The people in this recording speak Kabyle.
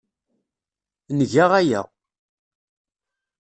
Nga aya.